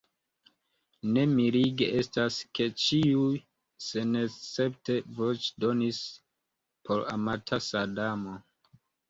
Ne mirige estas, ke ĉiuj senescepte voĉdonis por amata Sadamo!